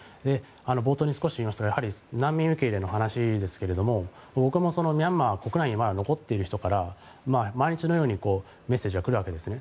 冒頭に少し言いましたが難民受け入れの話ですが僕もミャンマー国内にまだ残っている人から毎日のようにメッセージが来るわけですね。